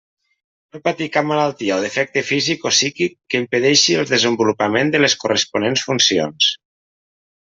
No patir cap malaltia o defecte físic o psíquic que impedeixi el desenvolupament de les corresponents funcions.